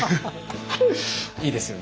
いいですね。